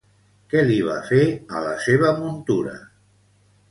Què li va fer a la seva muntura?